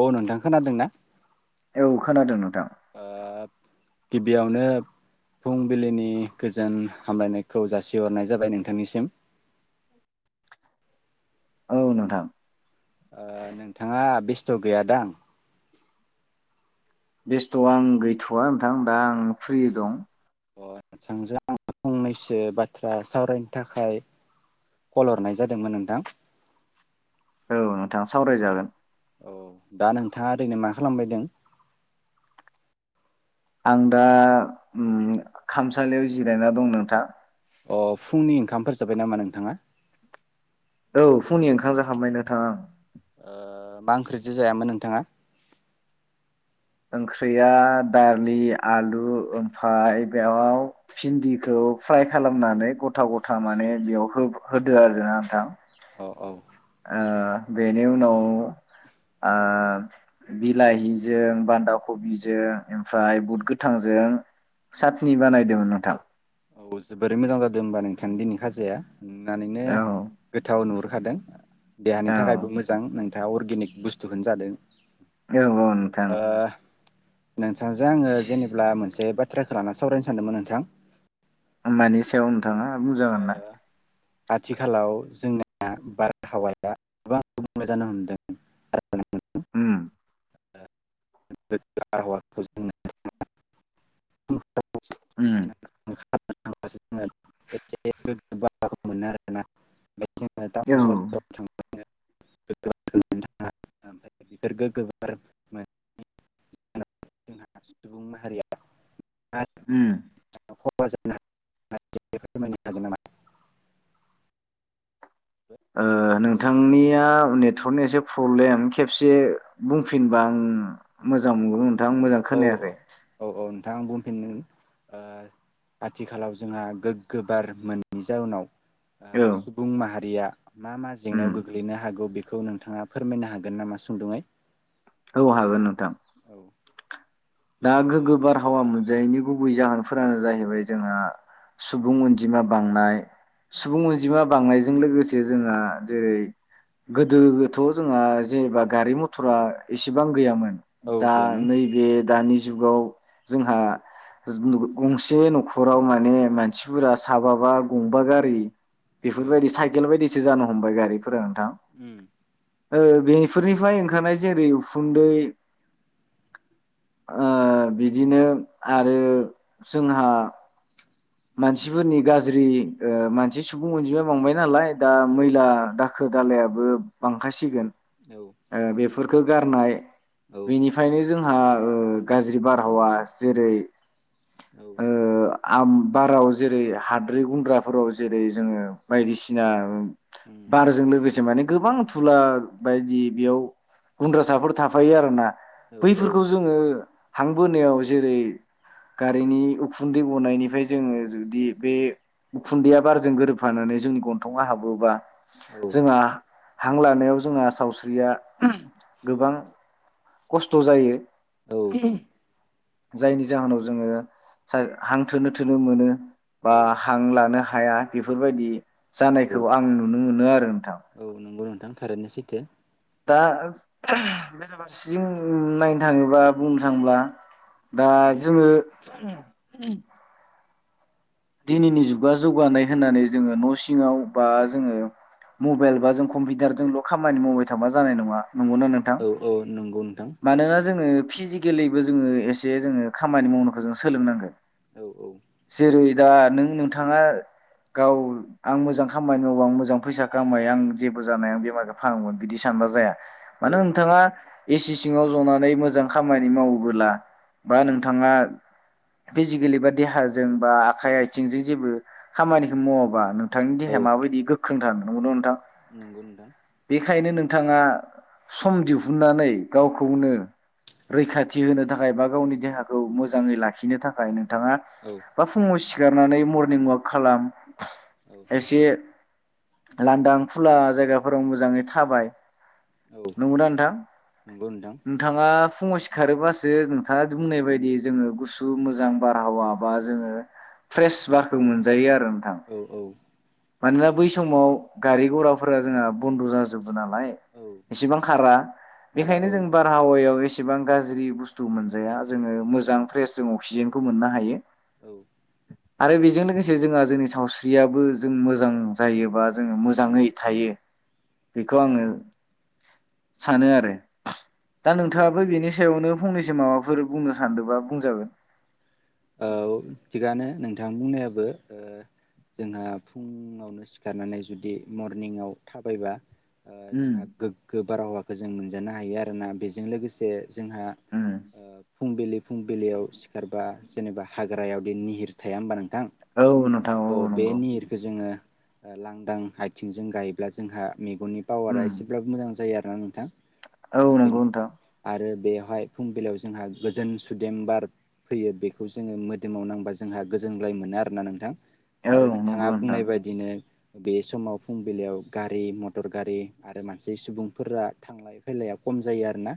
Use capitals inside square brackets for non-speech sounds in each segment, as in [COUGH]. औ नोंथां खोनादों ना? औ खोनादों नोंथां। ओ गिबियावनो फुंबिलिनि गोजोन हामलायनायखौ जासिहरनाय जाबाय नोंथांनिसिम। औ नोंथां। ओ नोंथाङा बेस स्थ' गैया दां? बेस्थ' आं गैथ'वा नोंथां दा आं फ्रि दं। नोंथांजों आं फंनैसो बाथ्रा सावरायनो थाखाय कल हरनाय जादोंमोन नोंथां। औ नोंथाङा सावरायजागोन। औ दा नोंथाङा ओरैनो मा खालामबायदों? आं दा खामसालियाव जिरायना दं नोंथां अ फुंनि ओंखामफोर जाबाय नामा नोंथाङा औ फुंनि ओंखाम जाखांबाय नोंथां आं मा ओंख्रिजो जायामोन नोंथाङा ओंख्रिया दालि आलु ओमफ्राय बेयाव भिन्दिखौ फ्राय खालामनानै गथा गथा माने बेयाव होदो आरो जो नोंथां अ औ ओ बेनि उनाव आ बिलाहिजों बान्दा कबिजों ओमफ्राय बुद गोथांजों चाटनि बानायदोंमोन नोंथां औ जोबोरै मोजां जादों होमबा नोंथां दिनि खाजाया नुनानैनो औ गोथाव नुहुरखादों देहानि औ थाखायबो मोजां नों दा अर्गेनिक बुस्थुखोनो जादों औ औ नोंथां ओ नोंथांजों आङो जेनेब्ला मोनसे बाथ्राखौ लाना सावरायनो सानदोंमोन नोंथां मानि सायाव थाङा ओ बुंजागोन ना आथिखालाव जोंना बारहावाया गोबां [UNINTELLIGIBLE] जानो हमदों उम उम [UNINTELLIGIBLE] [UNINTELLIGIBLE] [UNINTELLIGIBLE] [UNINTELLIGIBLE] एसे [UNINTELLIGIBLE] मोननो हागोना बे जोंहा टाउन औ सहरफोराव थांबा उम [UNINTELLIGIBLE] [UNINTELLIGIBLE] [UNINTELLIGIBLE] [UNINTELLIGIBLE] फोरमायनो हागोन नामा ओ नोंथांनि निया नेटवर्कनि एसे प्रब्लेम खेबसे बुंफिनबा आं मोजां मोनगौ आं मोजां खोनायाखै दा आं बुंफिन ओ आथिखालाव जोंहा गोग्गो बार मोनैनि जाउनाव ओ औ सुबुं माहारिया मा मा उम जेंनायाव गोग्लैनो हागौ बेखौ नोंथाङा फोरमायनो हागोन नामा सुंद'यै औ हागोन नोंथां [INAUDIBLE] दा गोग्गो बारहावा मोनजायैनि गुबै जाहोनफोरानो जाहैबाय जोंहा सुबुं अनजिमा बांनाय सुबुं अनजिमा बांनायजों लोगोसे जोंहा जेरै गोदोबोथ' जोंहा जेनेबा गारि मथरा एसेबां गैयामोन औ दा गैयामोन नैबे दानि जुगाव जोंहा जोनु गंसे न'खराव माने मानसिफोरा साबाबा गंबा गारि औ बेफोरबायदि साइकेल बायदि सो जानो हमबाय गारि फोरा नोंथां। उम ओ बेनिफोरनिफ्राय ओंखारनाय जेरै उखुन्दै ओ बिदिनो आरो जोंहा मानसिफोरनि गाज्रि मानसि सुबुं अनजिमा बांबाय नालाय दा औ मैला दा खो दालायाबो बांखासिगोन औ ओ बे फोरखो गारनाय औ बेनिफ्रायनो जों आ ओगाज्रि बारहावा जेरै औ। ओ आम बाराव जेरै हाद्रि गुन्द्राफोराव जेरै जोङो बायदिसिना उम बारजों लोगोसे माने गोबां थुला बायदि बेयाव गुन्द्रासाफोर थाफायो आरो ना औ औ बैफोरखौ जोङो हां बोनायाव जेरै गारिनि उखुन्दै गनायनिफाय जोङो जुदि बे उखुन्दैया बारजों गोरोबफानानै जोंनि गन्थंआव हाबोबा जोंहा हां लानायाव जोंहा सावस्रिया गोबां खस्थ' जायो। औ [INAUDIBLE] जायनि जाहोनाव जोङो सा हांथोनो थोनो मोनो। बा औ हां लानो हा हाया बेफोरबादि औ जानायखौ आं नुनो मोनो आ औ नोंगौ नों थां थारैनो सैथो। दा बेराफारसेथिं नायनो थाङोबा बुंनो थाङोब्ला दा औ जोङो [INAUDIBLE] दिनैनि जुगा जौगानाय होननानै जोङो न' सिङाव बा जोङो मबेल बा जों कम्पिउटारजोंल' खामानि मावबाय थाबा जानाय नङा। नंगौना नोंथां? औ औ नंगौ नोंथां मानोना जोङो फिजिकेलिबो जोङो एसे जोङो खामानि मावनोखौ जों सोलोंनांगोन। औ औ जेरै दा नों नोंथाङा गाव आं मोजां खामानि मावा आं मोजां फैसा खामायो आं जेबो जानाया आं बेमारखौ फाहागोन बिदि सानबा जाया औ मानो नोंथाङा एसि सिङाव जनानै मोजां खामानि मावोबोला बा उम औ नोंथाङा फिजिकेलि बा देहाजों बा आखाइ आथिंजों जेबो खामानिखौ मावाबा नों नोंथांनि औ देहाया माबायदि गो ख्रों थानो नंगौना नोंथां नंगौ नोंथां बेखायनो नोंथाङा सम दिहुननानै गावखौनो रैखाथि होनो थाखाय बा गावनि देहाखौ मोजांङै लाखिनो थाखाय नों औ नोंथाङा सिखारनानै मरनिं वाक खालाम औ एसे लांदां खुला जायगाफोराव मोजाङै थाबाय औ नंगौना नोंथां नंगौ नोंथां नोंथाङा फुङाव सिखारोबासो नोंथाङा बुंनाय बायदि जोंङो गुसु मोजां बारहावा बा जोंङो फ्रेस बारखो मोनजायो आरो नोंथां। औ औ मानोना बै समाव गारि घराफोरा जोंहा बन्द जाजो नालाय औ एसेबां खारा आदा बेनिखायनो औ जों बारहावायाव ए एसेबां गाज्रि बुस्थु मोनजाया जोंङो मोजां फ्रेस जों अक्सिजेनखौ मोननो हायो औ आरो बेजों लोगोसे जोंङा जोंनि सावस्रियाबो जों मोजां जायोबा जों मोजाङै थायो बेखौ आंङो सानो आरो दा औ औ नोंथाङाबो बेनि सायावनो फंनैसो माबाफोर बुंनो सानदोबा बुंजागोन। औ थिगानो नोंथां बुंनायाबो ओ जोंहा फुङावनो सिखारनानै जुदि मरनिंआव थाबायबा ओ उम जोंहा गोग्गो बारहावाखौ जों मोन- जानो हायो आरोना बेजों लोगोसे जोंहा उम ओ फुंबिलि फुंबिलियाव सिखारबा जेनेबा हाग्रायावदि निहिर थाया होनोमबा औ नोंथां औ नंगौ जोङो ओ लांदां आइथिंजों गायोब्ला जोंहा मेगननि उम पावारा एसेब्लाबो मोजां जायो आरो ना नोंथां औ ओ बे नंगौ नोंथां आरो बेवहाय फुंबिलियाव जोंहा गोजोन सुदेम बार फैयो बे खौ जोङो मोदोमाव नांबा जोंहा गोजोनग्लाय मोनो आरोना नोंथां। औ आरो नोंथाङा नंगौ नोंथां बुंनाय बायदिनो बे समाव फुंबिलियाव गारि मटर गारि आरो मानसे सुबुंफोरा थांलाय फैलाया खम जायो आरोना?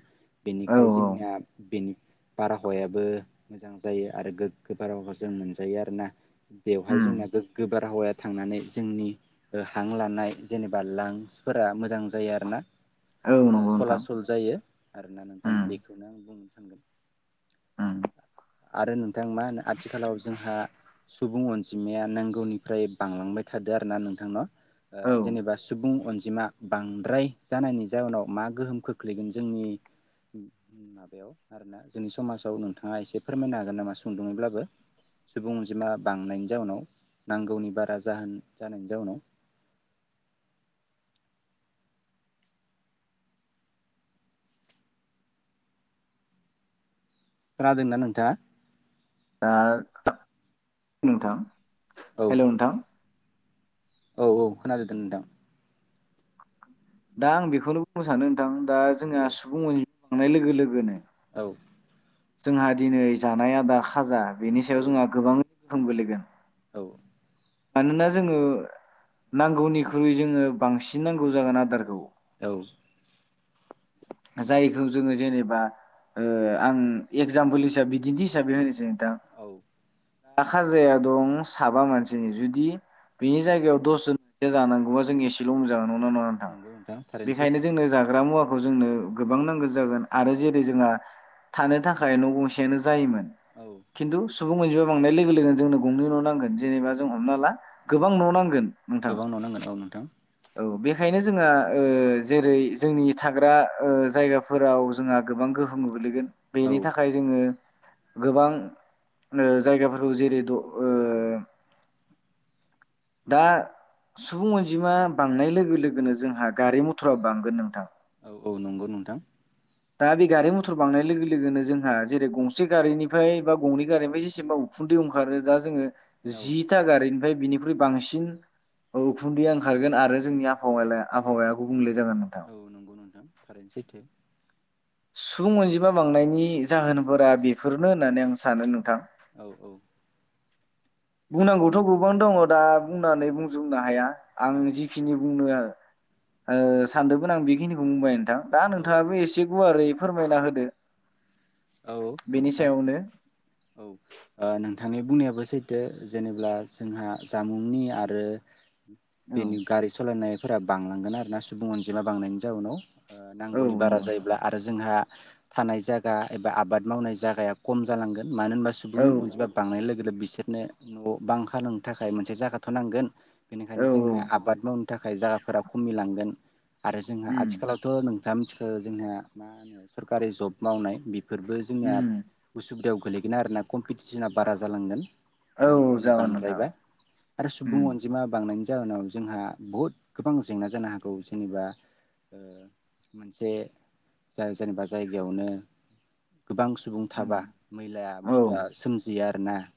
औ बेनिखाय औ जोंनिया बेनि बारहावायाबो मोजां। जायो आरो गोग्गो बारावखौ जों मोनजायो आरोना। बेवहाय उम जोंना गोग्गो बारहावाया थांनानै जोंनि ओ हां लानाय जेनेबा लांसफोरा मोजां जायो आरोना? औ ओ नंगौ नोंथां सलासल जायो आरोना नोंथां उम बेखौनो आं बुंनो थांगोन उम आरो नों थां मा होनो आथिखालाव जोंहा सुबुं अनजिमाया नांगौनिफ्राय बांलांबाय थादो आरो ना नोंथां न? ओ औ जेनेबा सुबुं अनज जिमा बांद्राय जानायनि जाउनाव मा गोहोम खोख्लैगोन जोंनि माबायाव आरोना जोंनि समाजाव नोंथाङा इसे फोरमायनो हागोन नामा सुंदुङैब्लाबो सुबुं अनजिमा बांनायनि जाउनाव नांगौनि बारा जाहोन जानायनि जाउनाव खोनादोंना नोंथाङा? दा नोंथां औ हेलौ नोंथां औ औ खोनादों दे नोंथां। दा आं बेखौनो बुंनो सानो नोंथां दा औ जोंहा सुबुं अन थांनाय लोगो लोगोनो औ। जोंहा दिनै जानाय आदा खाजा बेनि सायाव औ जोंहा गोबां गोहोम गोलैगोन। औ। मानोना जोङो नांगौनिख्रुइ जोङो बांसिन नांगौ जागोन आदारखौ। औ जायखौ जोङो जेनेबा ओ आं एगजामपोल हिसाबै बिदिन्थि हिसाबै होनोसै। औ आखा जाया दं साबा मानसिनि जुदि बेनि औ जायगायाव दसजन जानांगौ जों एसेल' मोजां नङा नंगौना नङा नोंथां नंगौ थारैनो बेखायनो सैथो जोंनो जाग्रा मुवा जोंनो गोबां नांगौ जागोन आरो औ जेरै जोंहा थानो थाखाय न' गंसेयानो जायोमोन औ खिन्थु सुबुं अनजिमा बांनाय लोगो लोगोन जोंनो गंनै न' नांगोन जेनेबा जों हमना ला औ गोबां न' नांगोन नोंथां गोबां न' नांगोन औ नोंथां औ बे बेखायनो जोंहा ओ जेरै जोंनि थाग्रा ओ जायगाफोराव जोंहा गोबां गोहोम गोग्लैगोन औ बेनि थाखाय जोङो गोबां नो जायगाफोरखौ जेरै द ओ दा सुबुं अनजिमा बांनाय लोगो लोगोनो जोंहा गारि मथरा बांगोन नोंथां औ औ नंगौ नोंथां दा बे गारि मथर बांनाय लोगो लोगोनो जोंहा जेरै गंसे गारिनिफ्राय बा गंनै गारिनिफ्राय जेसेबा उखुन्दै ओंखारो दा जोङो औ जिटा गारिनिफ्राय बिनिख्रुइ बांसिन उखुन्दैया ओंखारगोन आरो जोंनि आबहावायालाय आबहावाया गुबुंले जागोन नोंथां औ नंगौ नोंथां थारैनो सैथो सुबुं अनजिमा बांनायनि जाहोनफोरा बेफोरनो होननानै आं सानो नोंथां औ औ बुंनांगौथ गोबां दङ दा बुंनानै बुंजोबनो हाया आं जिखिनि बुंनो सानदोंमोन आं बेखिनिखौ बुंबाय नोंथां दा औ नोंथाङाबो एसे गुवारै फोरमायना होदो औ बेनि नोंथां सायावनो औ नोंथांनि बुंनायाबो सैथो जेनेब्ला जोंहा जामुंनि आरो औ बेनि गारि सलायनाय फोरा बांलांगोन आरो ना सुबुं अनजिमा बांनायनि जाउनाव औ नांगौनि नंगौ बारा नोंथां जायोब्ला आरो जोंहा थानाय जागा एबा आबाद मावनाय जागाया खम जालांगोन मानो होनबा सुबुं औ अनजिमाया बांनाय लोगो बिसोरनो न' बां खालामनो थाखाय मोनसे जायागाथ नांगोन बेनिखायनो औ जोंहा औ आबाद माव [UNINTELLIGIBLE] थाखाय जायगाफोरा खमिलांगोन आरो जोंहा उम आथिखालावथ' नों [UNINTELLIGIBLE] जोंना मा होनो सरकारि जब मावनाय [UNINTELLIGIBLE] बेफोरबो जोंनिया उम उसुबिदायाव [UNINTELLIGIBLE] गोलैगोन आरो ना [UNINTELLIGIBLE] [UNINTELLIGIBLE] बारा जोलांगोन औ नांगौनि जागोन नोंथां बांद्रायबा आरो उम सुबुं अनजिमा बांनायनि जाहोनाव जोंहा बुहुद गोबां जेंना जानो हागौ जेनेबा मोनसे जाय जेनेबा जायगायावनो गोबां सुबुं उम थाबा मैलाया औ बुस्थुआ सोमजियो आरो। [UNINTELLIGIBLE]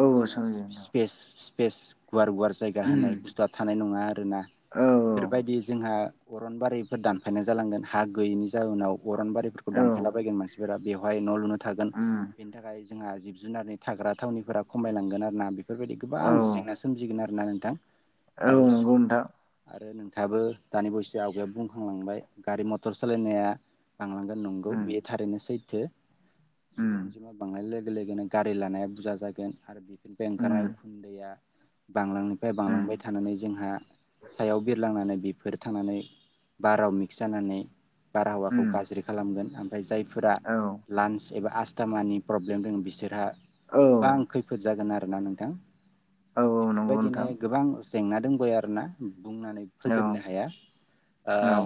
औ जोंहा सोलियो नोंथां स्पे-स्पेस [UNINTELLIGIBLE] गुवार- गुवार जायगा उम होनाय बुस्थुआ थानाय नङा आरोना औ बेफोरबायदि जोंहा अरनबारिफोर दानफायनाय जालांगोन हा गैयिनि जाउनाव अरनबारिफोरखौ औ दानफायलाबायगोन मानसि [UNINTELLIGIBLE] बेवहाय न लुनो थागोन उम बेनि थाखाय जोंहा जि जुनारनि थाग्रा थावनिफोरा खमायलांगोन आरो ना बेफोरबायदि औ गोबां जेंना सोमजिगोन आरो। [UNINTELLIGIBLE] नोंथां। औ आरो नंगौ नोंथां आरो [UNINTELLIGIBLE] थाबो दानि बयैसो आवगायाव बुंखांलांबाय गारि मटर सालायनाया बांलांगोन नंगौ उम बेयो थारैनो सैथो सुबुं उम अनजिमा बांनाय लोगो लोगो -लोगोनो गारि लानाया बुरजा जागोन आरो बे बेनिफ्राय ओंखारनाय उम उखुन्दैया बांलांनिफ्राय उम बांलांबाय थानानै जोंहा सायाव बिरलांनानै बेफोर थांनानै बाराव मिक्स जानानै बारहावाखौ उम गाज्रि खालामगोन जायफोरा औ औ लान्स एबा [UNINTELLIGIBLE] स्टमानि प्रब्लेम दङ बिसोरहा गोबां खैफोद जागोन आरो। ना नोंथां औ नंगौ बेफोरबायदिनो नोंथां गोबां जेंना दंबोबायो आरोना बुंनानै औ फोजोबनो हाया ओ औ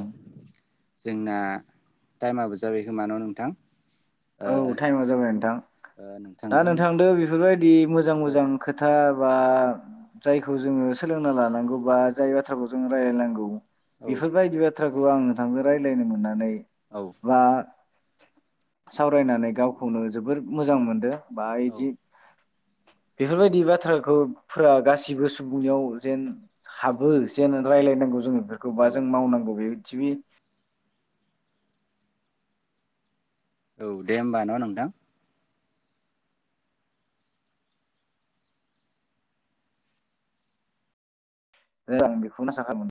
जोंना टाइमाबो जाबायखोमा ना नोंथां? ओ औ टाइमा जाबाय नोंथां। नोंथांजों बि औ मोजां-मोजां खोथा बा जायखौ जोङो सोलोंना लानांगौ बा जाय बाथ्राखौ जों रायलायनांगौ औ बिफोरबादिबाथ' बाथ्राखौ आं नोंथांजों रायज्लायनो मोननानै औ बा सावरायनानै गावखौनो जोबोर मोजां मोनदों औ बायजि बेफोरबायदि बाथ्राखौ गासिबो सुबुंनियाव जेन हाबो जेन रायलायनांगौ जोङो बेखौबा औ जों मावनांगौ बे थिगैनो औ दे होमबा नङा नोंथां आं बेखौनो सानखादोंमोन